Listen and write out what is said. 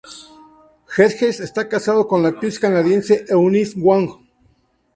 Hedges está casado con la actriz canadiense Eunice Wong.